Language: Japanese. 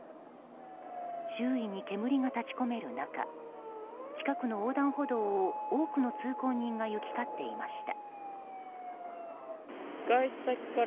周囲に煙が立ち込める中近くの横断歩道を多くの通行人が行き交っていました。